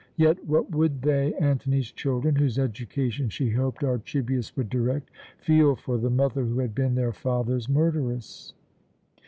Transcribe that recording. Yet, what would they, Antony's children, whose education she hoped Archibius would direct, feel for the mother who had been their father's murderess?